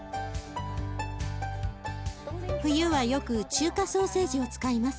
冬はよく中華ソーセージを使います。